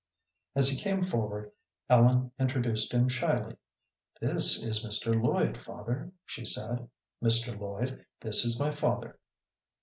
As he came forward, Ellen introduced him shyly. "This is Mr. Lloyd, father," she said. "Mr. Lloyd, this is my father."